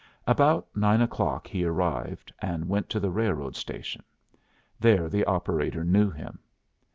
About nine o'clock he arrived, and went to the railroad station; there the operator knew him.